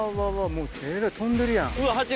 もうえらい飛んでるやん。